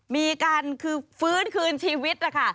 มีการคือฟื้นคืนชีวิตนะคะ